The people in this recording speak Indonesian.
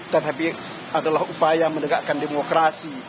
tetapi adalah upaya menegakkan demokrasi